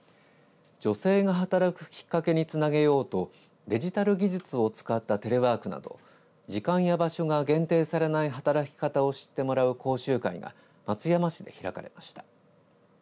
女性が働くきっかけにつなげようとデジタル技術を使ったテレワークなど時間や場所が限定されない働き方を知ってもらう講習会が松山市で開かれました。